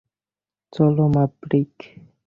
চলো, ম্যাভরিক।